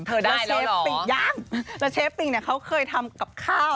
เธอได้แล้วเหรอยังแล้วเชฟปิงเค้าเคยทำกับข้าว